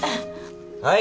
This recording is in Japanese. はい！